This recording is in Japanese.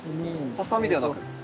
ハサミではなく。